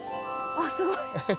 あっ、すごい。